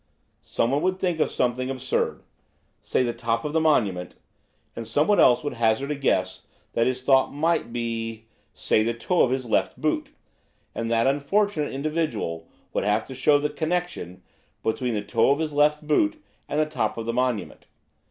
Someone would think of something absurd–say the top of the monument–and someone else would hazard a guess that his thought might be–say the toe of his left boot, and that unfortunate individual would have to show the connection between the toe of his left boot and the top of the monument.